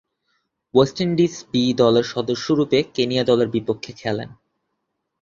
West Indies বি-দলের সদস্যরূপে Kenya দলের বিপক্ষে খেলেন।